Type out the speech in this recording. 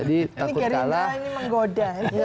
ini gerindra ini menggoda